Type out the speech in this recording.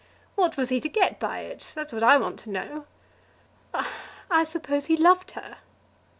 What was he to get by it? That's what I want to know." "I suppose he loved her."